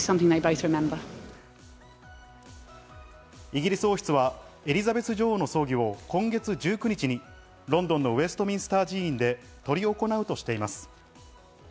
イギリス王室はエリザベス女王の葬儀を今月１９日にロンドンのウェストミンスター寺院で執り行うとしています。